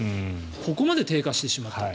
ここまで低下してしまったと。